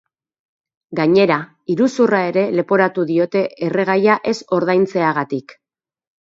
Gainera, iruzurra ere leporatu diote erregaia ez ordaintzeagatik.